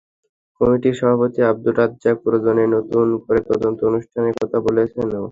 কমিটির সভাপতি আবদুর রাজ্জাক প্রয়োজনে নতুন করে তদন্ত অনুষ্ঠানের কথা বলেছেনও।